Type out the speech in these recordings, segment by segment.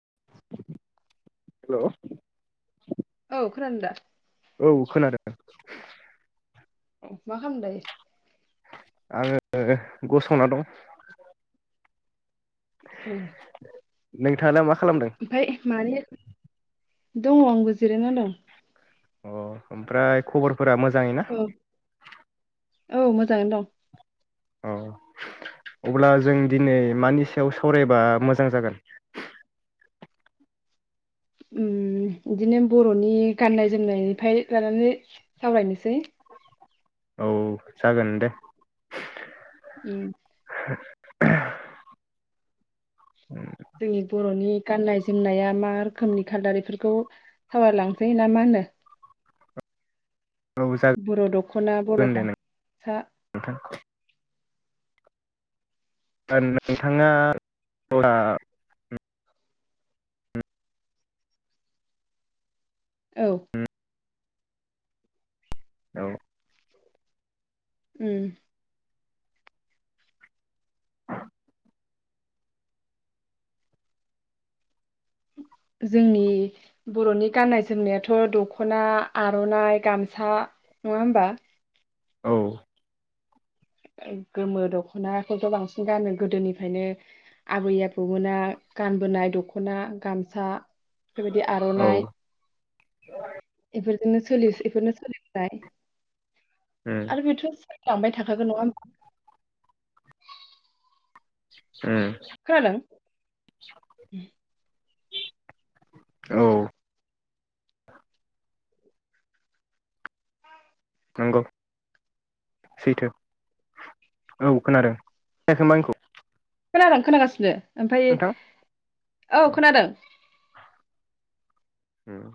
Hello औ खोनादों दा औ खोनादों औ मा खालामदों? आंङो गसंना दं औ नोंथाङालाय मा खालामदों ओमफ्राय मानि दङ आंबो जिरायना दं अ ओमफ्राय खबर फोरा मोजाङै ना औ औ मोजाङैनो दं। अ अब्ला जों दिनै मानि सायाव सावरायबा मोजां जागोन? उम बिदिनो बर'नि गाननाय जोमनायनिफ्राय लानानै सावरायनोसै औ जागोन दे उम [inaudible] [inaudible] जोंनि बर'नि गाननाय जोमनाया मा रोखोमनि खालदार इफोरखौ सावरायलांसै ना मा होनो? औ बर' दख'ना बर' जागोन दे नों गामसा [unintelligible] नोंथाङा [unintelligible] औ औ उम जोंनि बर'नि गाननाय जोमनायाथ' दख'ना आर'नाइ गामसा नङा होमबा? औ गोमो दख'नाखौथ बांसिन गानो गोदोनिफायनो आबै आबौमोना गानबोनाय दख'ना गामसा बेबायदि औ आर'नाइ एफोरजोंनो सोलि एफोरनो सोलिबाय उम आरो [unintelligible] लांबाय थाखागोन नङा होमबा उम खोनादों? औ नंगौ सैथो औ खोनादों खोनायाखै होमबा आंखौ खोनादों खोनागासिनो। ओमफाय औ खोनादों उम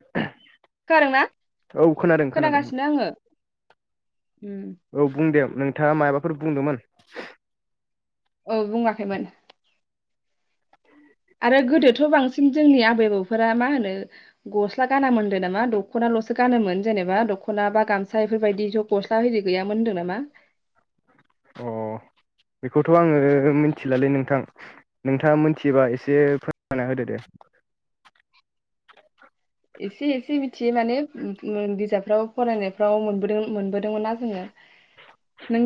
[unintelligible] खोनादोंना खोनागासिनो आङो उम औ बुंदे नोंथाङा मायबाफोर बुंदोंमोन औ बुङाखैमोन आरो गोदोथ' बांसिन जोंनि आबै आबौफोरा मा होनो गस्ला गाना मोनदों नामा दख'नाल'सो गानोमोन जेनेबा दख'ना बा गामसा एफोरबायदिथ' गस्ला होरि गैयामोन होनदों नामा? अ बेखौथ' आङो मिथिलालै नोंथां नोंथाङा मिथिबा एसे फोरमायना होदो दे एसे एसे मिथियो माने बिजाबफ्राव फरायनायफ्राव मोनबोदों मोनबोदोंमोन ना जोङो नों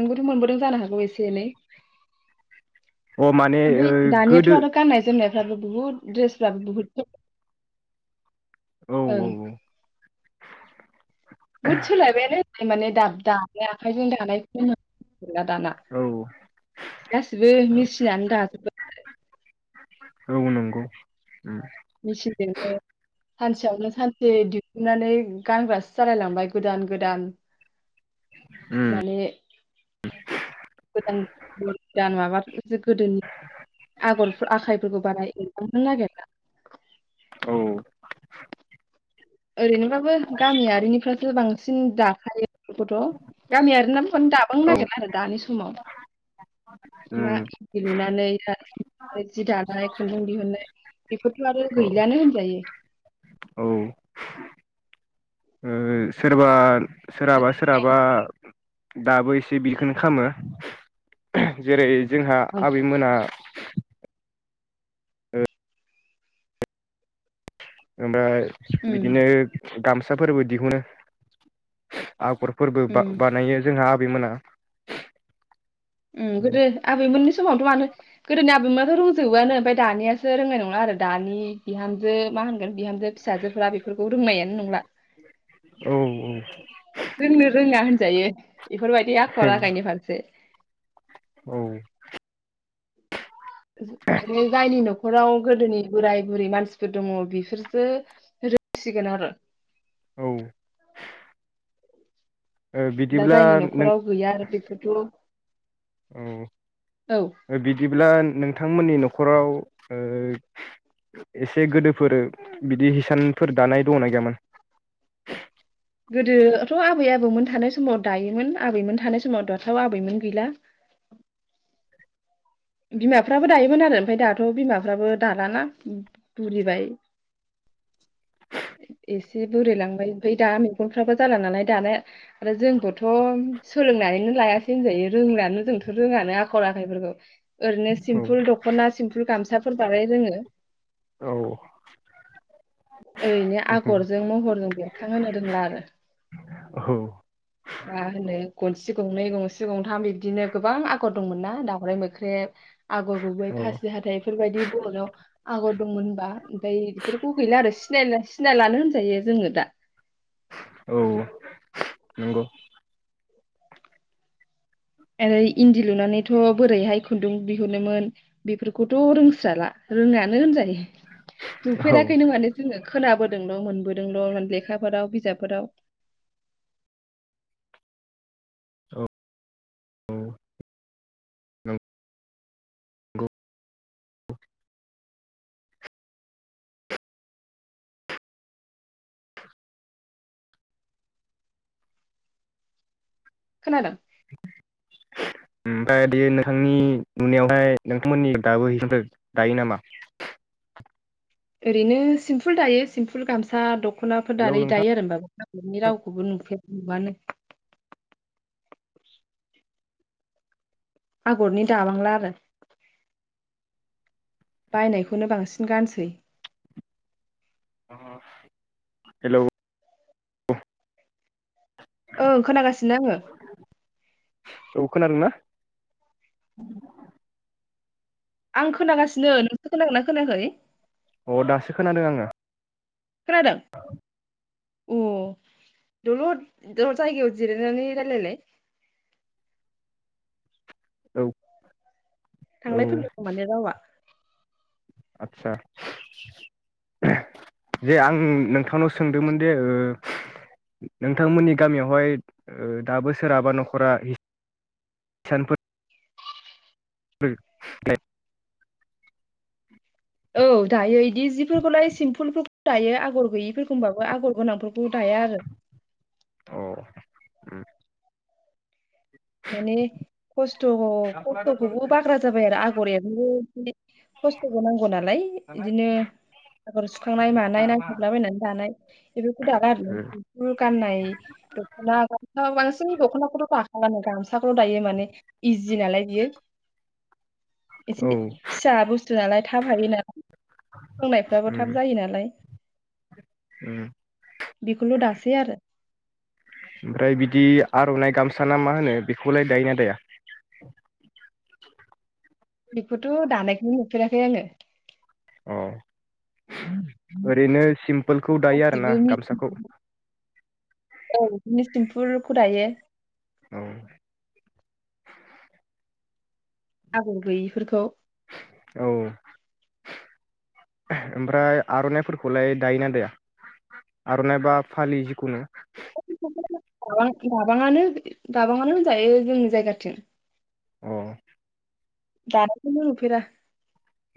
नोंबोथ' मोनबोदों जानो हागौ एसे एनै अ माने ओ ओमफाय दानियाथ' गोदो आरो गाननाय जोमनायफ्राबो बहुत ड्रेसफ्रा बहुत औ ओं बुहुत सोलायबाय माने दाब दानाय आखाइजों दानायखौ ला दाना औ गासिबो मेचनानै दाजोबबाय औ नंगौ उम मेचिनजोंनो सानसेयावनो सानसे दिहुननानै गानग्रासो जालायलांबाय गोदान गोदान उम माने गोदान गोदान माबाफोर जो गोदोनि आगर आखाइफोरखौ बानाय [unintelligible] औ ओरैनोबाबो गामियारिनिफ्रा बांसिन दाखायो बेखौथ' गामियारि नाबो दाबांनो औ नागिरला आरो दानि समाव उम [unintelligible] जि दानाय खुन्दुं दिहुनाय बेफोरथ' आरो औ गैलानो होनजायो। औ ओ सोरबा सोरहाबा सोरहाबा दाबो एसे बिखौनो खालामो जेरै जोंहा बांसिन आबैमोना ओमफ्राय उम बिदिनो गामसाफोरबो दिहुनो आगर फोरबो उम बा-बानायो जोंहा मोना उम गोदो आबै मोननि समावथ' मानो गोदोनि आबैमानाथ' रोंजोबोआनो ओमफाय दानियासो रोंनाय नंला आरो दानिया बिहामजो मा होनगोन बिहामजो फिसाजोफ्रा बेफोरखौ रोंनायानो नंला। औ औ रोंनो रोंना होनजायो बेफोरबायदि आखल आखायनि फारसे औ जायनि न'खराव गोदोनि बोराय बुरि मानसिफोर दङ बेफोरसो रोंसिगोन आरो औ दा बिदिब्ला जायनि नों न'खराव गैया बेखौथ' औ बिदिब्ला नोंथां थांमोननि न'खराव ओ एसे गोदोफोर बिदि हिसानफोर दानाय दंना गैयामोन? गोदोथ' आबै आबौमोन थानाय समाव दायोमोन आबैमोन थानाय समाव दाथाव आबैमोन गैला बिमाफ्राबो दायोमोन आरो ओमफाय दाथ' बिमाफ्राबो दालाना बुरिबाय एसे बुरिलांबाय ओमफाय दा मेगनफ्राबो जाला नालाय दानाया आरो जोंबोथ' सोलोंनानैनो लायासै होनजायो रोंलानो जोंथ' रोङानो आखल आखाइफोरखौ ओरैनो औ सिम्पुल द'खना सिम्पुल गामसाफोर बानाय रोङो औ ओरैनो आगरजों महरजों बेरखांहोनो रोंला आरो औ मा होनो गनसे गंनै गंसे गंथाम बिबदिनो गोबां आगर दंमोन ना दाावराइ मोख्रेब आगर गुबै औ खासि हाथाइ बेफोरबायदि बहनायाव आगर दंमोन होनबा ओमफ्राय बेफोरखौ गैला आरो सिनाय सिनायलानो होनजायो जोङो दा औ नंगौ ओरै इन्दि लुनानैथ' बोरैहाय खुन्दुं बिहुनोमोन बेफोरखौथ' रोंस्राला रोङानो होनजायो औ औ नुफेराखैनो माने जोङो खोनाबोदोंल' मोनबोदोंल' म लेखाफोराव बिजाबफोराव औ नंगौ खोनादों ओमफाय बियो नोंथांनि नुनायावहाय नोंथांमोननि दाबो हैसनफोर दायो नामा? ओरैनो सिम्पोल दायो सिम्पुोल गामसा द ख'नाफोर हेलौ दारै नोंथां दायो आरो होनोमबाबा गनि रावखौबो नुफेर बानो आगरनि दाबांला आरो बायनायखौनो बांसिन गानसै हेल' ओं खोनागासिनो आङो औ खोनादोंना? आं खोनागासिनो नोंसो खोनागोनना खोनाखै? अ दासो खोनादों आङो। खोनादों? अ दलद जायगायाव जिरायनानै रायलायलाय औ औ थांलाय फैलाय दं माने रावआ आदसा जे आं नोंथांनाव सोंदोंमोन दि ओ नोंथांमोननि गामियावहाय दाबो ओ सोरहाबा नखरा [unintelligible] [unintelligible] औ दायो दि जिफोरखौलाय सिम्पुलफोर दायो आगर गैयिफोरखौमबाबो आगर गोनांफोरखौ दाया आरो। औ उम माने खस्थ' खस्थ'खौबो बाग्रा जाबाय आरो आगर एरनोबो बि खस्थ'बो नांगौ नालाय इदिनो आगर सुखांनाय मानाय नायथाबलाबायनानै दानाय बेफोरखौ दाला आरो सेम्फुल गाननाय दख'ना गामसा होनबाबो बांसिन दख'नाखौथ' दाख खालानो गामसाखौल' दायो माने इजि नालाय बियो एसे फिसा बुस्थु नालाय थाब हायो नालाय सोंनायफ्राबो थाब ओमफ्राय जायो नालाय बेखौल' दासै आरो ओमफ्राय बिदि आर'नाइ गामसा ना मा होनो बेखौलाय दायोना दाया? बेखौथ' दानायखौनो नुफेराखै आङो अ ओरैनो सिम्पोलखौ दायो आरो ना गासिबो मिस गामसाखौ? फुलखौ दायो औ आगर गैयिफोरखौ औ ओमफ्राय आर'नाइफोरखौलाय दायोना दाया आर'नाइ बा फालि जिखुनु? [unintelligible] दाबांङानो दाबांङानो होनजायो जोंनि जायगाथिं औ दानायखोनो नुफेरा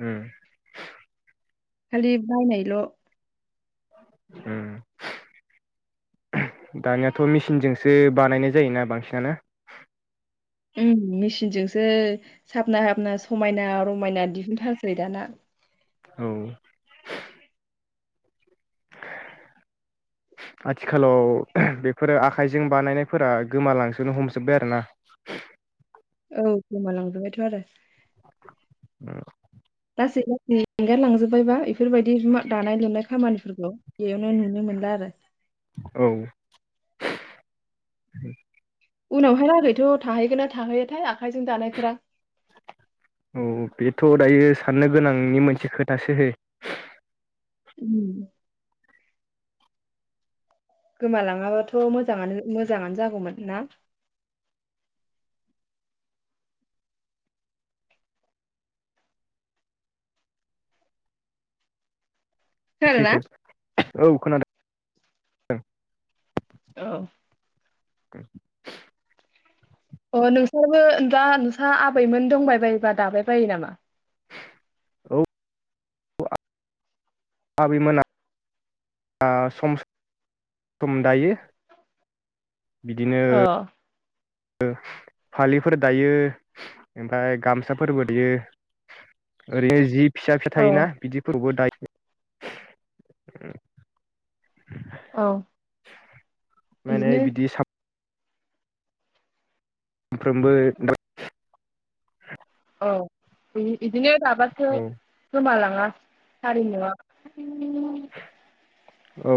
उम खालि बायनाय ल' उम दानियाथ' मेसिनजोंसो बानायनाय जायोना बांसिनानो? उम मेसिनजोंसो साबना हाबना समायना रमायना दिहुनथारसै दाना। औ आथिखालाव बेफोरो आखायजों बानायनायफोरा गोमालांजोबनो हमजोब्बाय आरोना औ गोमालांजोबबायथ' आरो उम लासै लासै एंगारलांजोब्बायबा बेफोरबायदि दानाय लुनाय खामानिफोरखौ बेयावनो नुनो मोनला आरो औ उनावहाय लागैथ' थाहैगोन ना थाहैलाथाय आखाइजों दानायफोरा। औ बेथ' दायो साननो गोनांनि मोनसे खोथासो उम। गोमालाङाबाथ' मोजाङानो मोजाङानो जागौमोन ना? खोनादों ना सैथो औ खोनादों। [inaudible] औ। [inaudible] अ नोंसोराबो दा नोंस्रा आबैमोन दंबाय बायोबा दाबाय बायो नामा? औ। आबैमोना आ सम सम दायो। बिदिनो। अ फालिफोर दायो ओमफ्राय गामसाफोरबो दायो ओरैनो जि फिसा- फिसा औ थायोना बिदिफोरखौबो दायो। औ माने बिदिनो। बिदि सानफ्रोमबो औ इदिनो दाबासो औ गोमालाङा। हारिमुआ औ।